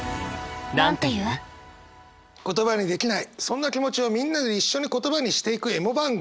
言葉にできないそんな気持ちをみんなで一緒に言葉にしていくエモ番組。